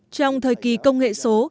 trong thời kỳ công nghệ số